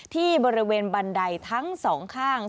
ที่บริเวณบันไดทั้งสองข้าง